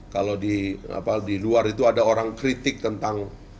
kalau di luar itu ada orang kritik tentang